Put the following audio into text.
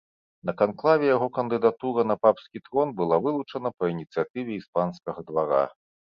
На канклаве яго кандыдатура на папскі трон была вылучана па ініцыятыве іспанскага двара.